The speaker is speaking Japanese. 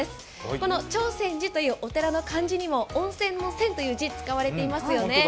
この長泉寺というお寺の漢字にも、温泉の「泉」という字、使われていますよね。